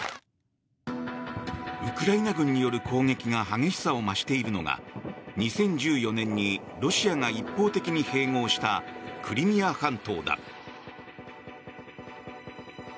ウクライナ軍による攻撃が激しさを増しているのが２０１４年にロシアが一方的に併合したクリミア半島だ。